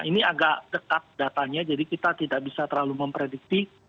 ini agak dekat datanya jadi kita tidak bisa terlalu memprediksi